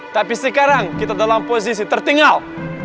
tapi sekarang kita dalam posisi tertinggal